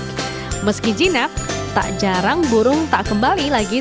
meski jika burung ini tidak bisa dilatih burung burung ini bisa dilatih